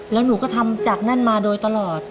แล้วหนูก็ทำจากนั่นมาโดยตลอด